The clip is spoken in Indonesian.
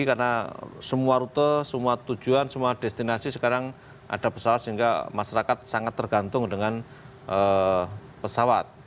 karena semua rute semua tujuan semua destinasi sekarang ada pesawat sehingga masyarakat sangat tergantung dengan pesawat